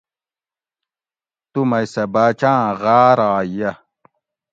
تو مئ سہ باۤچۤہ آۤں غاۤرائ یہ